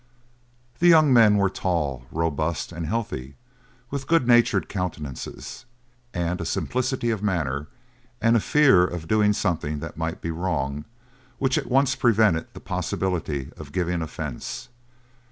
The young men were tall, robust, and healthy, with good natured countenances, and a simplicity of manner, and a fear of doing something that might be wrong, which at once prevented the possibility of giving offence.